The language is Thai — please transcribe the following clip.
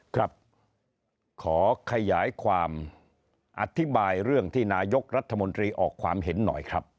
ครับขอขยายความอธิบายเรื่องที่นายกรัฐมนตรีออกความเห็นหน่อยครับ